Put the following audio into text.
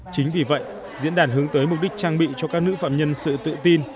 chính vì vậy diễn đàn hướng tới mục đích trang bị cho các nữ phạm nhân sự tự tin